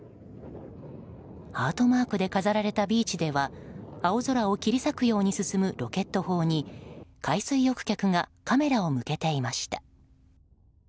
ハートマークで飾られたビーチでは青空を切り裂くように進むロケット砲に海水浴客がカメラを向けていました。